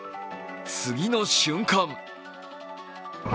次の瞬間